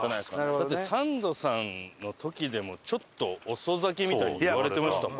だってサンドさんの時でもちょっと遅咲きみたいにいわれてましたもんね。